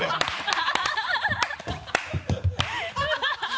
ハハハ